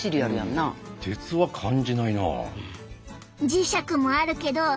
磁石もあるけどやる？